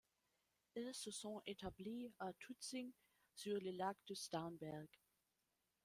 Ils se sont établis à Tutzing sur le lac de Starnberg.